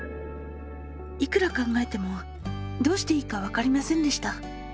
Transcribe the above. いくら考えてもどうしていいかわかりませんでした。